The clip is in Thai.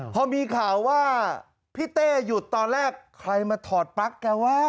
พอมีข่าวว่าพี่เต้หยุดตอนแรกใครมาถอดปลั๊กแกว่ะ